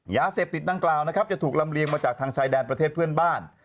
ยาเสพติดดังกล่าวนะครับจะถูกลำเลียงมาจากทางชายแดนประเทศเพื่อนบ้าน